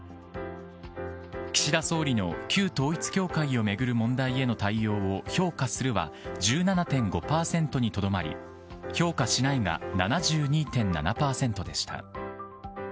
岸田総理の旧統一教会を巡る問題への対応を評価するは１７．５％にとどまり、評価しないが７２．７％でした。